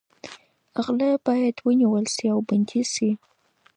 غله باید ونیول شي او بندي شي.